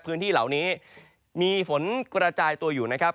พื้นที่เหล่านี้มีฝนกระจายตัวอยู่นะครับ